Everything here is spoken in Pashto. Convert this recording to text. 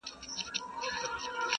شمع سې پانوس دي کم پتنګ دي کم!!